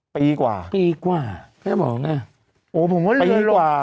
ปีกว่าปีกว่าแม่บอกไงโอ้ผมว่าปีกว่า